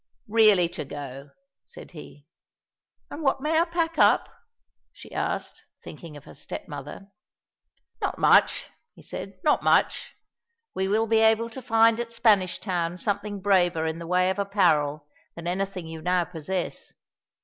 "Really to go," said he. "And what may I pack up?" she asked, thinking of her step mother. "Not much," he said, "not much. We will be able to find at Spanish Town something braver in the way of apparel than anything you now possess.